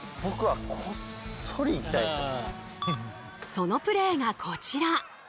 そのプレーがこちら。